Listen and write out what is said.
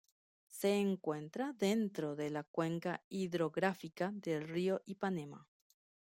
Se encuentra dentro de la cuenca hidrográfica del río Ipanema.